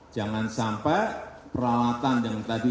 jangan sampai peralatan yang tadi